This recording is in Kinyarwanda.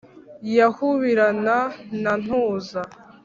yahubirana na ntuza,